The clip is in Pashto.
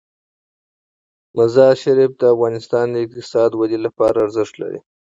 مزارشریف د افغانستان د اقتصادي ودې لپاره ارزښت لري.